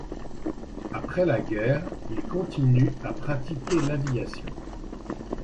Après la guerre, il continue à pratiquer l'aviation.